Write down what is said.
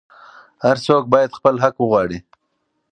هر څوک باید خپل حق وغواړي.